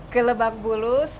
ke lebak bulus